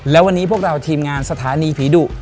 และวันนี้พวกเราทีมงานสถานีผีดุ